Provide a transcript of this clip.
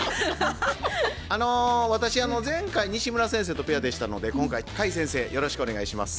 あの私前回西村先生とペアでしたので今回甲斐先生よろしくお願いします。